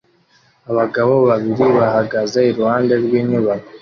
Abagabo babiri bahagaze iruhande rw'inyubako